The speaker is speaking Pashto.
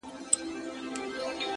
پير” مُريد او ملا هم درپسې ژاړي”